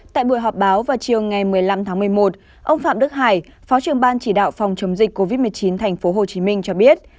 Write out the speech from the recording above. tại buổi họp báo vào chiều ngày một mươi năm tháng một mươi một ông phạm đức hải phó trưởng ban chỉ đạo phòng chống dịch covid một mươi chín tp hcm cho biết